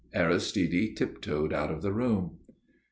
Aristide tiptoed out of the room.